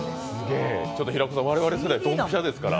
平子さん、我々世代ドンピシャですから。